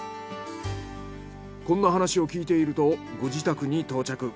こんな話を聞いているとご自宅に到着。